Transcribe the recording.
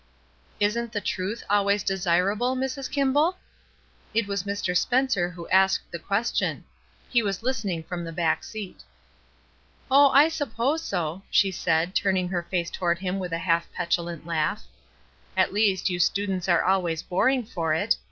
''Isn't the truth always desirable, Mrs. Kimball?" It was Mr. Spencer who asked the question; he was hstening from the back seat. ''Oh, I suppose so," she said, turning her face toward him with a half petulant laugh. "At least, you students are always boring for it.